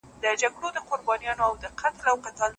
بې نوره ورځي بې شمعي شپې دي